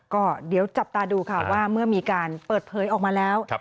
ก็เดี๋ยวจับตาดูค่ะว่าเมื่อมีการเปิดเผยออกมาแล้ว